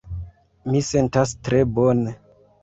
Mi sentas tre bone.